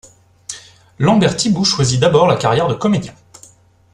Lambert-Thiboust choisit d'abord la carrière de comédien.